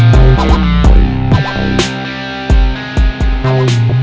sebenernya gue ngerasa